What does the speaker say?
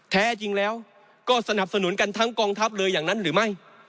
แท้จริงแล้วก็สนับสนุนกันทั้งกองทัพเลยอย่างนั้นหรือไม่